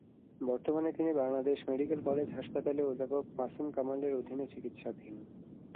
বর্তমানে তিনি Bangladesh medical college হাসপাতালে অধ্যাপক মাসুম কামালের অধীনে চিকিৎসাধীন।